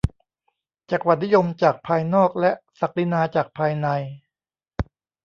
จักรวรรดินิยมจากภายนอกและศักดินาจากภายใน